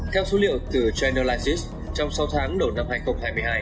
theo số liệu từ generalize trong sáu tháng đầu năm hai nghìn hai mươi hai